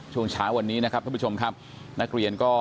ช่วงเช้าวันนี้นะครับท่านผู้ชมครับนักเรียนก็